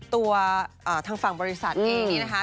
ตัวทางฝั่งบริษัทเองนี่นะคะ